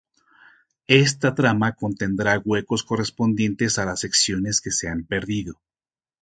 Esta trama contendrá huecos correspondientes a las secciones que se han perdido.